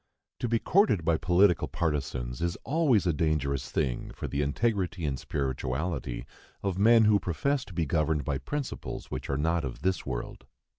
To be courted by political partisans is always a dangerous thing for the integrity and spirituality of men who profess to be governed by principles which are not of this world.